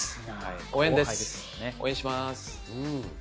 応援します。